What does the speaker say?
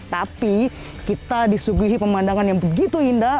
tapi kita disuguhi pemandangan yang begitu indah